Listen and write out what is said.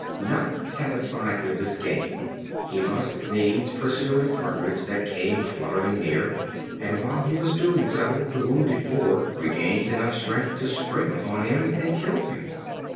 Not satisfied with this game, he must needs pursue a Partridge that came fluttering near, and while he was doing so the wounded Boar regained enough strength to spring upon him and kill him.